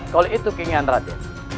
kalau itu keinginan raden